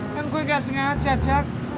kan gue gak sengaja cak